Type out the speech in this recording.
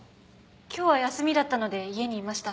今日は休みだったので家にいました。